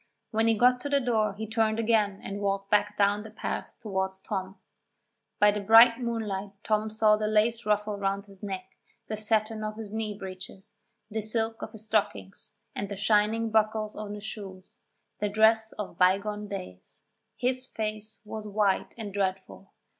When he got to the door he turned again and walked back down the path towards Tom. By the bright moonlight Tom saw the lace ruffle round his neck, the satin of his knee breeches, the silk of his stockings, and the shining buckles on his shoes the dress of bygone days. His face was white and dreadful.